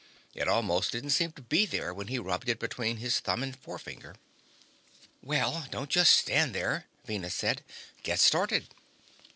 It almost didn't seem to be there when he rubbed it between his thumb and forefinger. "Well, don't just stand there," Venus said. "Get started."